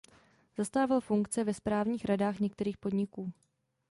Zastával funkce ve správních radách některých podniků.